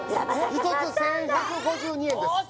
１つ１１５２円ですあ